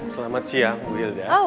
selamat siang ibu hilda